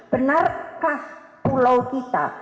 benarkah pulau kita